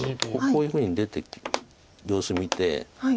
こういうふうに出て様子見て。